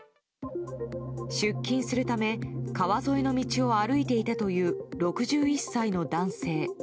出勤するため川沿いの道を歩いていたという６１歳の男性。